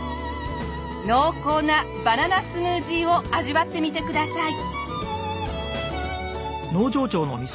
濃厚なバナナスムージーを味わってみてください。